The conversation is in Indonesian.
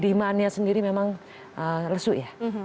demandnya sendiri memang lesu ya